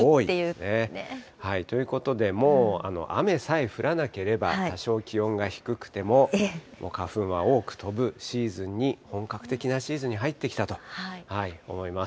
ということで、もう雨さえ降らなければ、多少気温が低くても、花粉は多く飛ぶシーズンに、本格的なシーズンに入ってきたと思います。